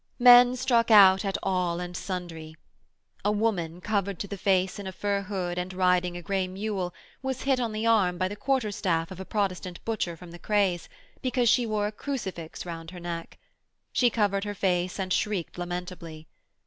Men struck out at all and sundry. A woman, covered to the face in a fur hood and riding a grey mule, was hit on the arm by the quarterstaff of a Protestant butcher from the Crays, because she wore a crucifix round her neck. She covered her face and shrieked lamentably.